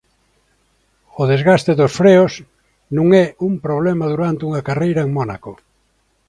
O desgaste dos freos non é un problema durante unha carreira en Mónaco.